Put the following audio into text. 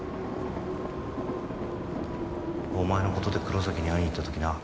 お前のことで黒崎に会いに行った時な